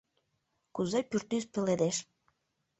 Кузе пӱртӱс пеледеш, —